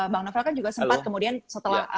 bang novel kan juga sempat kemudian setelah